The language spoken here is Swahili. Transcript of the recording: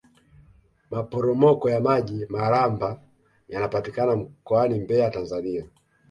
maporomoko ya maji malamba yanapatikana mkoani mbeya tanzania